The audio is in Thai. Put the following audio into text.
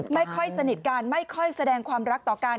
ไม่ค่อยสนิทกันไม่ค่อยแสดงความรักต่อกัน